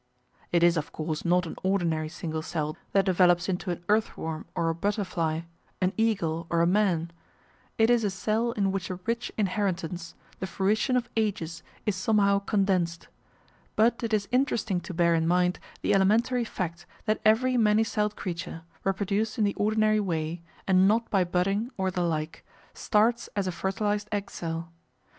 It is, of course, not an ordinary single cell that develops into an earthworm or a butterfly, an eagle, or a man; it is a cell in which a rich inheritance, the fruition of ages, is somehow condensed; but it is interesting to bear in mind the elementary fact that every many celled creature, reproduced in the ordinary way and not by budding or the like, starts as a fertilised egg cell.